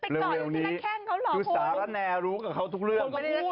เร็วนี้ดูสารแนรู้กับเขาทุกเรื่อง